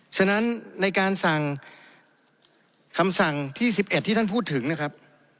ฉะนั้นในการสั่งคำสั่งที่๑๑ที่ท่านพูดถึงนะครับ